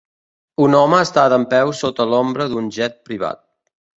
Un home està dempeus sota l'ombra d'un jet privat.